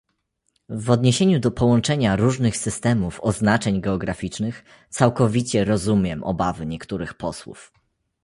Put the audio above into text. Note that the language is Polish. W odniesieniu do połączenia różnych systemów oznaczeń geograficznych całkowicie rozumiem obawy niektórych posłów